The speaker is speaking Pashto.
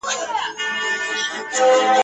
دا دوران دي مور هم دی تېر کړی لېونۍ ..